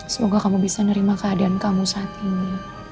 semoga kamu bisa nerima keadaan kamu saat ini